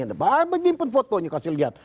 ada banyak yang menyimpan fotonya kasih lihat